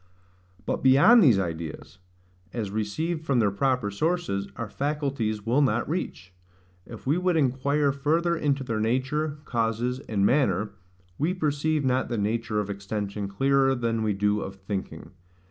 But beyond these ideas, as received from their proper sources, our faculties will not reach. If we would inquire further into their nature, causes, and manner, we perceive not the nature of extension clearer than we do of thinking.